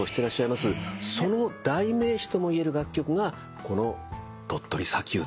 その代名詞ともいえる楽曲がこの『鳥取砂丘』と。